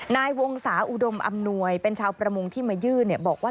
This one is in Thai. นายวงศาอุดมอำนวยเป็นชาวประมงที่มายื่นบอกว่า